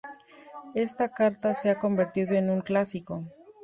Esta carta se ha convertido en un clásico.